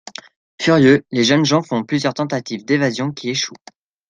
Furieux, les jeunes gens font plusieurs tentatives d'évasion qui échouent.